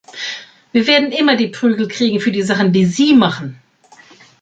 Wir werden immer die Prügel kriegen für die Sachen, die Sie machen!